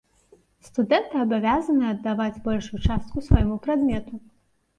Студэнты абавязаныя аддаваць большую частку свайму прадмету.